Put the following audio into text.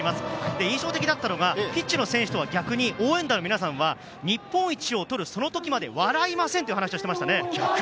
印象的だったのがピッチの選手とは逆に、応援団の皆さんは日本一を取るその時まで笑いませんという話をしていました。